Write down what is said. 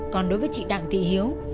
còn đối với chị đặng thị hiếu